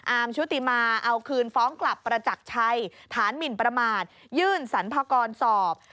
ชุติมาเอาคืนฟ้องกลับประจักรชัยฐานหมินประมาทยื่นสรรพากรสอบ